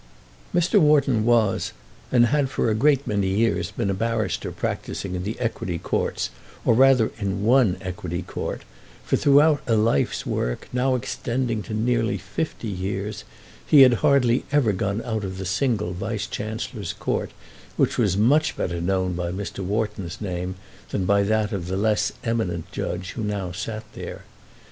Mr. Wharton was and had for a great many years been a barrister practising in the Equity Courts, or rather in one Equity Court, for throughout a life's work now extending to nearly fifty years, he had hardly ever gone out of the single Vice Chancellor's Court which was much better known by Mr. Wharton's name than by that of the less eminent judge who now sat there.